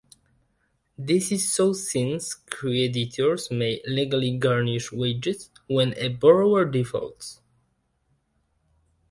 This is so since creditors may legally garnish wages when a borrower defaults.